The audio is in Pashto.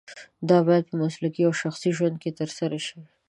دا باید په مسلکي او شخصي ژوند کې ترسره شي.